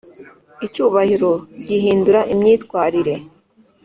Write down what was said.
icyubahiro gihindura imyitwarire.